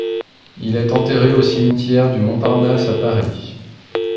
Il est enterré au cimetière du Montparnasse à Paris.